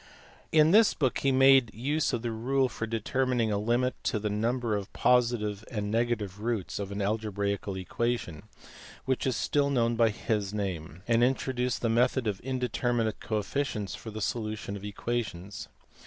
In this book he made use of the rule for determining a limit to the number_of_positive and of negative roots of an algebraical equation, which is still known by his name ; and introduced the method of indeterminate coefficients for the solution of equations.